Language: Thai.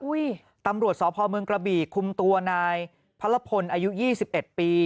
อุ๊ยตำรวจสพเมืองกระบี่คุมตัวนายพระละพลอายุ๒๑ปี